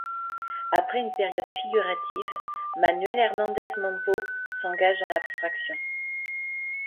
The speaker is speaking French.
Après une période figurative Manuel Hernández Mompó s'engage dans l'abstraction.